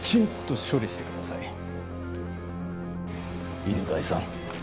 犬飼さん。